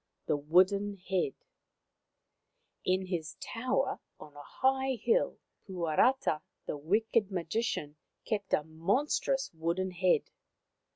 THE WOODEN HEAD In his tower on a high hill Puarata the wicked magician kept a monstrous wooden head.